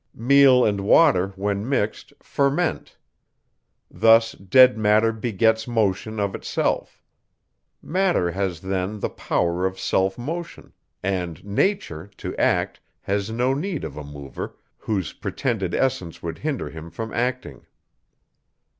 Meal and water, when mixed, ferment. Thus dead matter begets motion of itself. Matter has then the power of self motion; and nature, to act, has no need of a mover, whose pretended essence would hinder him from acting.